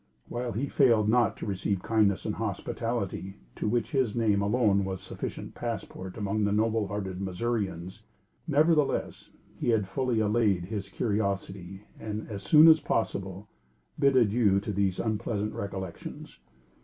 While he failed not to receive kindness and hospitality, to which his name alone was a sufficient passport among the noble hearted Missourians, nevertheless, he had fully allayed his curiosity, and, as soon as possible, bid adieu to these unpleasant recollections.